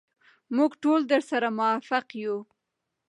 موږ ټول درسره موافق یو.